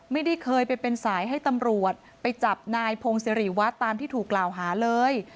ไม่ได้เคยไปเป็นสายให้ตำรวจไปจับนายพงศิริวัตรตามที่ถูกกล่าวหาเลย